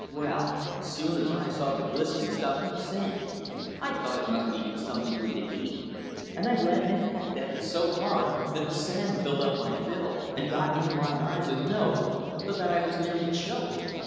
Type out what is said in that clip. Well, as soon as I saw the glistening stuff in the sand, I thought it must be something good to eat, and I went and pecked at it so hard that the sand filled up my bill, and got into my eyes and nose so that I was nearly choked.